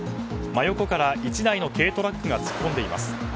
真横から１台の軽トラックが突っ込んでいます。